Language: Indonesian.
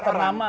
di daerah lama